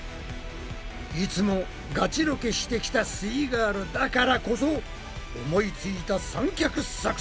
いつもガチロケしてきたすイガールだからこそ思いついた三脚作戦。